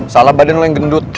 salah badan lah yang gendut